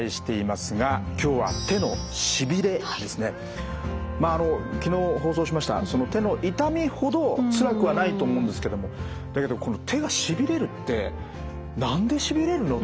まああの昨日放送しましたその手の痛みほどつらくはないと思うんですけどもだけどこの手がしびれるって何でしびれるの？